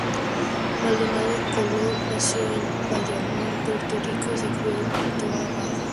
Maldonado Colón nació en Bayamón, Puerto Rico y se crio en Toa Baja.